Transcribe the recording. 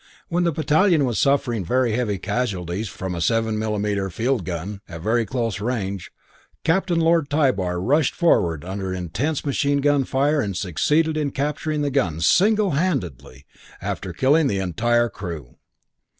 When the battalion was suffering very heavy casualties from a 77mm. field gun at very close range, Captain Lord Tybar rushed forward under intense machine gun fire and succeeded in capturing the gun single handed after killing the entire crew....